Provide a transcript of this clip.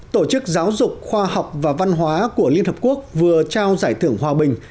tổ chức giáo dục khoa học và văn hóa của liên hợp quốc vừa trao giải thưởng hòa bình